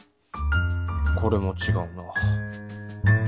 これもちがうな。